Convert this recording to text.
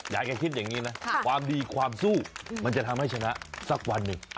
ยายแกคิดอย่างนี้นะความดีความสู้มันจะทำให้ชนะสักวันหนึ่ง